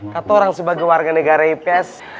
katorang sebagai warga negara ips